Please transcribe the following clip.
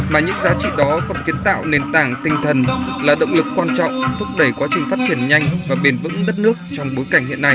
mà những giá trị đó cũng kiến tạo nền tảng tinh thần là động lực quan trọng thúc đẩy quá trình phát triển nhanh và bền vững đất nước trong bối cảnh hiện nay